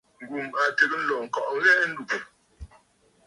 Ngum a tɨgə̀ ǹlo ŋkɔꞌɔ ŋghɛɛ a ndúgú.